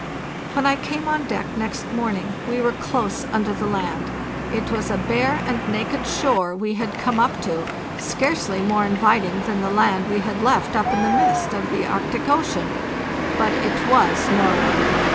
When I came on deck next morning we were close under the land. It was a bare and naked shore we had come up to, scarcely more inviting than the land we had left up in the mist of the Arctic Ocean—but it was Nor way.